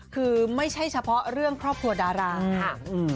คือไม่ใช่เฉพาะเรื่องครอบครัวดาราค่ะ